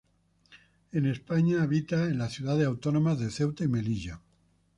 En España habita en las ciudades autónomas de Ceuta y Melilla.